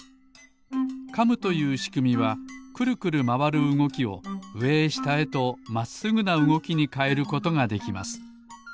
カムというしくみはくるくるまわるうごきをうえへしたへとまっすぐなうごきにかえることができます。